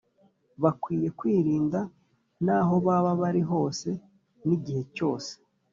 Bakwiye kwirinda naho baba bari hose n,igihe cyose.